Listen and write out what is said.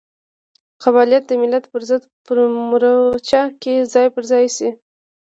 قبایلت د ملت پرضد په مورچه کې ځای پر ځای شي.